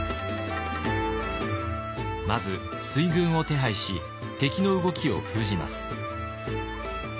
まず水軍を手配し敵の動きを封じます。